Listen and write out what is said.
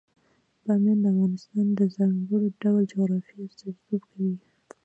بامیان د افغانستان د ځانګړي ډول جغرافیه استازیتوب کوي.